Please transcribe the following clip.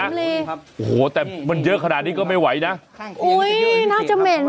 ครับโอ้โหแต่มันเยอะขนาดนี้ก็ไม่ไหวนะค่ะอุ้ยน่าจะเหม็น